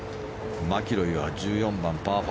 マキロイは１４番、パー５。